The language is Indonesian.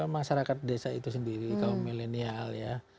masyarakat desa itu sendiri kaum milenial ya